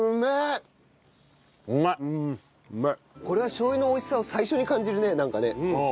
これはしょう油の美味しさを最初に感じるねなんかね。